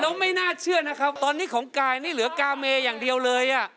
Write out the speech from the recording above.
แล้วไม่น่าเชื่อนะครับตอนนี้ของกายนี่เหลือกาเมอย่างเดียวเลยอ่ะ